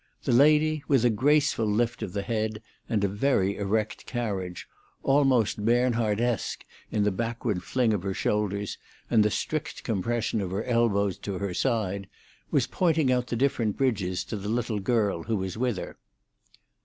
The lady, with a graceful lift of the head and a very erect carriage, almost Bernhardtesque in the backward fling of her shoulders and the strict compression of her elbows to her side, was pointing out the different bridges to the little girl who was with her.